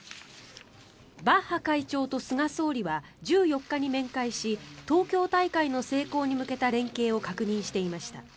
バッハ会長と菅総理は１４日に面会し東京大会の成功に向けた連携を確認していました。